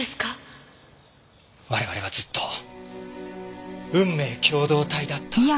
我々はずっと運命共同体だった。